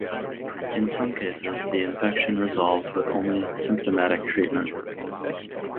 In some cases, the infection resolves with only symptomatic treatment.